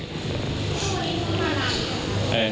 ที่พระรามเหรอครับ